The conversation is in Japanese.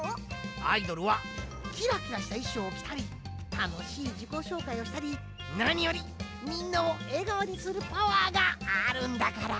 アイドルはキラキラしたいしょうをきたりたのしいじこしょうかいをしたりなによりみんなをえがおにするパワーがあるんだから！